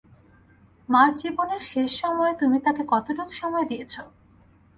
মার জীবনের শেষ সময়ে তুমি তাকে কতটুকু সময় দিয়েছো?